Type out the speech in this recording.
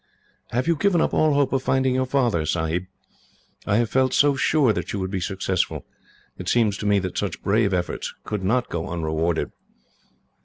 "Have you given up all hope of finding your father, Sahib? I have felt so sure that you would be successful. It seemed to me that such brave efforts could not go unrewarded."